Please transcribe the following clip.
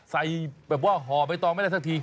ใส่แบบว่าห่อใบตองไม่ได้